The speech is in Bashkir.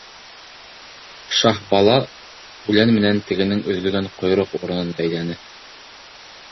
Шаһбала үлән менән тегенең өҙөлгән ҡойроҡ урынын бәйләне.